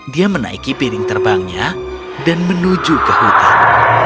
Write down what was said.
dia menaiki piring terbangnya dan menuju ke hutan